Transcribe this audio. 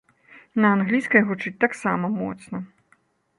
На англійскай гучыць таксама моцна.